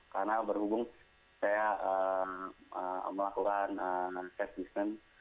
karena berhubung saya melakukan cash business